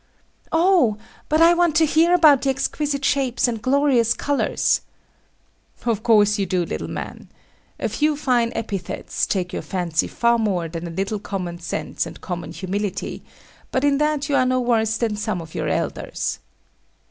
Oh, but I want to hear about the exquisite shapes and glorious colours. Of course you do, little man. A few fine epithets take your fancy far more than a little common sense and common humility; but in that you are no worse than some of your elders.